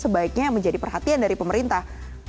sebaiknya menjadi perhatian dari pemerintah